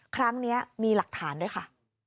ครั้งนี้มีหลักฐานด้วยค่ะ